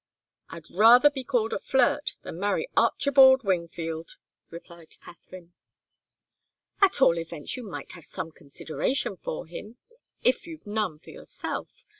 "I'd rather be called a flirt than marry Archibald Wingfield," replied Katharine. "At all events you might have some consideration for him, if you've none for yourself.